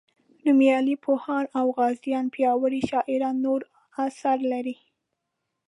نومیالي پوهان او غازیان پیاوړي شاعران نور اثار دي.